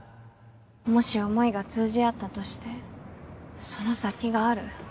もし思いが通じ合ったとしてその先がある？